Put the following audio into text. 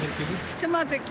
つまずき。